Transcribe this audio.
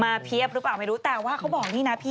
เพียบหรือเปล่าไม่รู้แต่ว่าเขาบอกนี่นะพี่